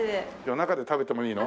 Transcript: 中で食べてもいいの？